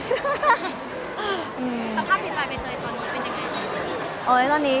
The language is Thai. สภาพดีใจในตอนนี้เป็นยังไง